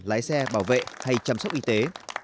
lái xe bảo vệ hay chăm sóc y tế